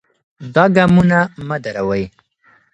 دا ګامونه مه دروئ.